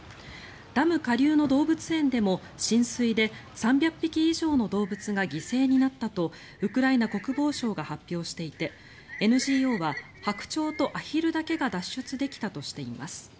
ダム下流の動物園でも浸水で３００匹以上の動物が犠牲になったとウクライナ国防省が発表していてＮＧＯは白鳥とアヒルだけが脱出できたとしています。